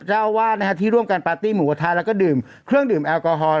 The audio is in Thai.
เจ้าอาวาสที่ร่วมกันปาร์ตี้หมูกระทะแล้วก็ดื่มเครื่องดื่มแอลกอฮอล